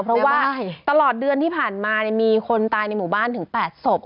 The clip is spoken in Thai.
เพราะว่าตลอดเดือนที่ผ่านมามีคนตายในหมู่บ้านถึง๘ศพ